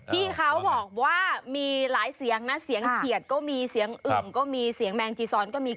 พี่เขาบอกว่ามีหลายเสียงนะเสียงเขียดก็มีเสียงอึ่งก็มีเสียงแมงจีซอนก็มี